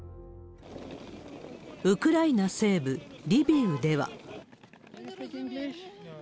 ウクライナ西部リビウでは。